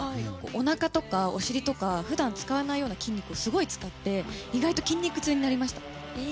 おなかとかお尻とか普段使わないような筋肉をすごい使って意外と筋肉痛になりました。